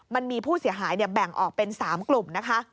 มันมีผู้เสียหายแบ่งออกเป็น๓กลุ่มนะคะ